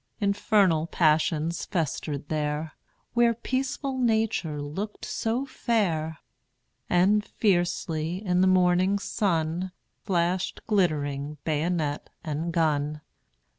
Infernal passions festered there, Where peaceful Nature looked so fair; And fiercely, in the morning sun, Flashed glitt'ring bayonet and gun.